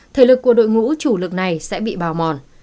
thể lực của đội ngũ chủ lực này sẽ bị bào mòn